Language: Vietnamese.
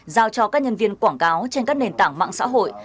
giao cho các nhân viên quảng cáo trên các nền tảng mạng xã hội